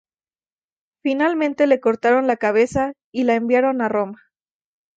Finalmente le cortaron la cabeza y la enviaron a Roma.